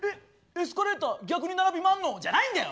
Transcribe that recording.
エスカレーター逆に並びまんの？じゃないんだよ！